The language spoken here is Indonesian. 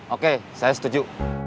oke saya setuju